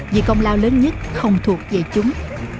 vì công lao lớn nhất không thuộc về chúng